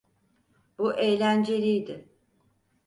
Bu eğlenceliydi.